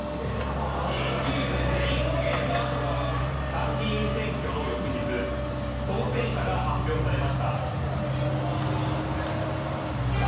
参議院選挙の翌日、当選者が発表されました。